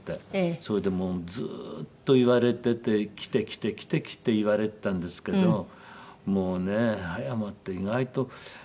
それでもうずーっと言われてて「来て来て来て来て」言われてたんですけどもうねえ葉山って意外と。